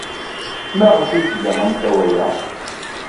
Maɣef ay tga amtawa-a?